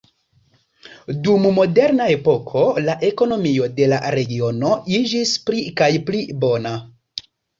Dum Moderna epoko la ekonomio de la regiono iĝis pli kaj pli bona.